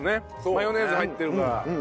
マヨネーズ入ってるから。